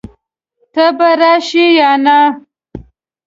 ته به راشې يا نه؟